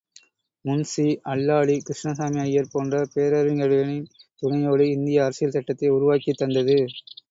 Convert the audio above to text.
முன்ஷி, அல்லாடி கிருஷ்ணசாமி அய்யர் போன்ற பேரறிஞர்களின் துணையோடு இந்திய அரசியல் சட்டத்தை உருவாக்கித் தந்தது.